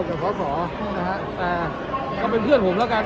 แต่ขอต่อนะฮะเอาเป็นเพื่อนผมแล้วกัน